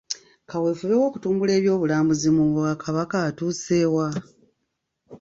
Kaweefube w'okutumbula eby'obulambuzi mu Bwakabaka atuuse wa?